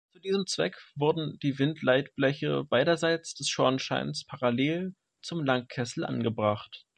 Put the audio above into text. Zu diesem Zweck wurden die Windleitbleche beiderseits des Schornsteins parallel zum Langkessel angebracht.